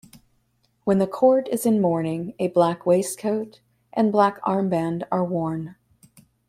When the court is in mourning a black waistcoat and black armband are worn.